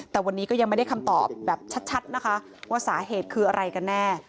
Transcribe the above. แต่วันนี้ก็ยังไม่ได้คำตอบแบบชัดนะคะว่าสาเหตุคืออะไรกันแน่